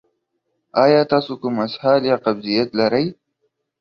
ایا تاسو کوم اسهال یا قبضیت لرئ؟